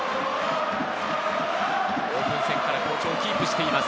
オープン戦から好調をキープしています